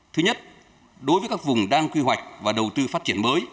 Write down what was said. thứ nhất đối với các vùng đang quy hoạch và đầu tư phát triển mới